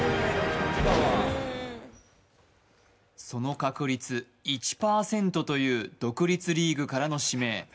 その確率１％という独立リーグからの指名。